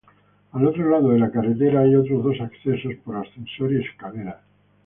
Al otro lado de la carretera hay otros dos accesos, por ascensor y escaleras.